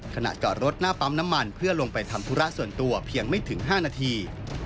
ขณะจอดรถหน้าปั๊มน้ำมันเพื่อลงไปทำธุระส่วนตัวเพียงไม่ถึง๕นาที